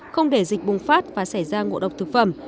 không để dịch bùng phát và xảy ra ngộ độc thực phẩm